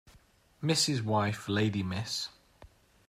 Mrs. wife lady Miss